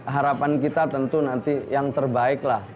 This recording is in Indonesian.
harapan kita tentu nanti yang terbaik lah